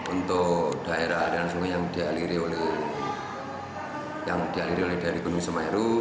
untuk daerah dan semua yang dialiri oleh gunung semeru